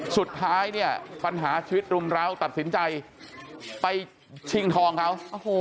สุดท้ายเนี่ยปัญหาชีวิตรุมร้าวตัดสินใจไปชิงทองเขา